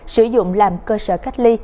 sử dụng làm cơ sở cách ly